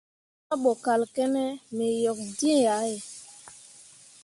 Mahbo kal kǝne me yok dǝ̃ǝ̃ yah ye.